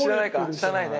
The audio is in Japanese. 知らないね。